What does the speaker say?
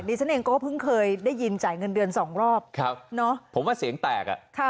ฉันเองก็เพิ่งเคยได้ยินจ่ายเงินเดือนสองรอบผมว่าเสียงแตกอ่ะ